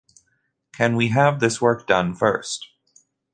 Can we have this work done first?